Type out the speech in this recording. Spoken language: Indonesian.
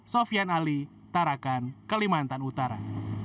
sofian ali tarakan kalimantan utara